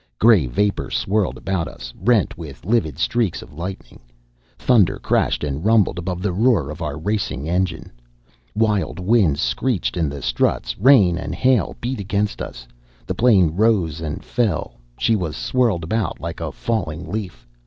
Gray vapor swirled about us, rent with livid streaks of lightning. Thunder crashed and rumbled above the roar of our racing engine. Wild winds screeched in the struts; rain and hail beat against us. The plane rose and fell; she was swirled about like a falling leaf.